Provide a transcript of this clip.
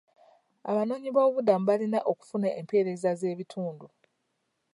Abanoonyi b'obubuddamu balina okufuna empeereza z'ebitundu.